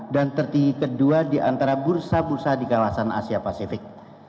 dan tertinggi kedua di antara bursa bursa di kawasan asia pasifik